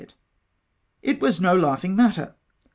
It was no laughing matter.